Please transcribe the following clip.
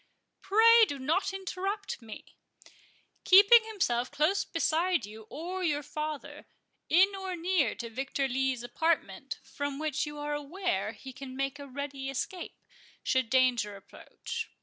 "Pray do not interrupt me—Keeping himself close beside you or your father, in or near to Victor Lee's apartment, from which you are aware he can make a ready escape, should danger approach.